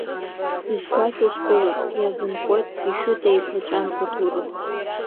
Исгәакьоу стәыла, иазынхоит ишәыта еиқәаҵәан уҭоурых!